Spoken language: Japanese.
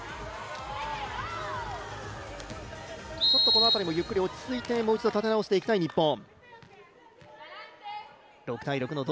この辺りもゆっくり落ち着いて立て直していきたい日本。